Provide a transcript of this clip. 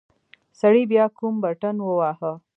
سړي بيا کوم بټن وواهه.